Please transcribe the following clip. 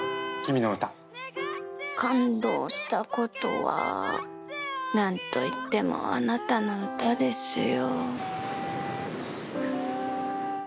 感動したことは何といっても、あなたの歌ですよ。